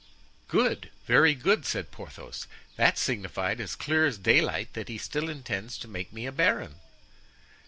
'" "Good, very good," said Porthos; "that signified as clear as daylight that he still intends to make me a baron."